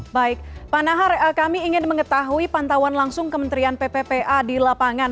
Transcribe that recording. baik pak nahar kami ingin mengetahui pantauan langsung kementerian pppa di lapangan